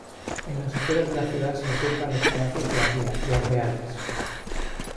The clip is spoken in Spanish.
En las afueras de la ciudad se encuentran los palacios de las dinastías reales.